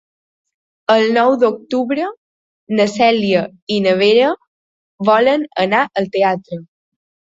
El nou d'octubre na Cèlia i na Vera volen anar al teatre.